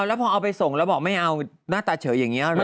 แล้วพอเอาไปส่งแล้วบอกไม่เอาหน้าตาเฉยอย่างนี้